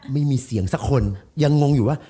ไม่มีเสียงสักคนยังงงอยู่ว่า